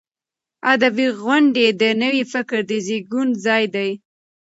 ادبي غونډې د نوي فکر د زیږون ځای دی.